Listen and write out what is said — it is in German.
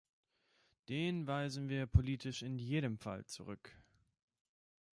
Den weisen wir politisch in jedem Fall zurück.